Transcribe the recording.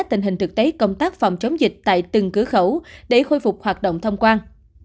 tình hình thực tế công tác phòng chống dịch tại từng cửa khẩu để khôi phục hoạt động thông quan